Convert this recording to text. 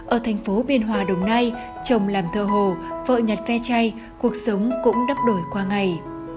ở thành phố biên hòa đồng nai chồng làm thơ hồ vợ nhặt ve chay cuộc sống cũng đắp đổi qua ngày